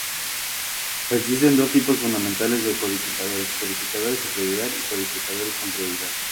Existen dos tipos fundamentales de codificadores: codificadores sin prioridad y codificadores con prioridad.